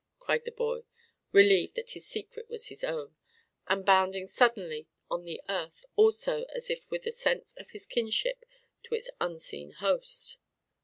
cried the boy, relieved that his secret was his own; and bounding suddenly on the earth also as if with a sense of his kinship to its unseen host.